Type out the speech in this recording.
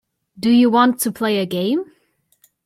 Do you want to play a game.